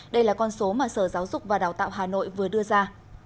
đây là con số mà sở giáo dục và đào tạo hà nội vừa đưa ra